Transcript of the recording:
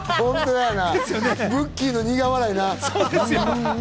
ブッキーの苦笑いな。